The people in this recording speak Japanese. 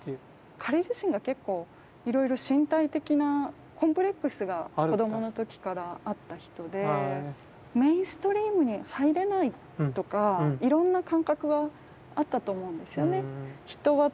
彼自身が結構いろいろ身体的なコンプレックスが子どもの時からあった人でとかいろんな感覚はあったと思うんですよね。